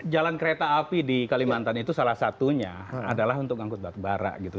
jalan kereta api di kalimantan itu salah satunya adalah untuk angkut batu bara gitu